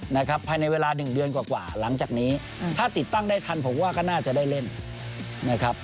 นะครับภายในเวลาหนึ่งเดือนกว่าหลังจากนี้ถ้าติดตั้งได้ทันผมว่าก็น่าจะได้เล่นนะครับ